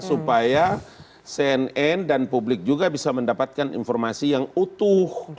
supaya cnn dan publik juga bisa mendapatkan informasi yang utuh